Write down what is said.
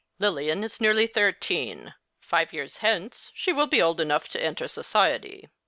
Lilian is nearly thirteen. Five years hence she will be old enough to enter society."